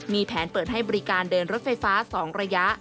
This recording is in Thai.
มีแผนเปิดให้บริการเดินรถไฟฟ้า๒ระยะ